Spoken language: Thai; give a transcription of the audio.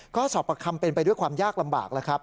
ก็สอบประคำเป็นไปด้วยความยากลำบากแล้วครับ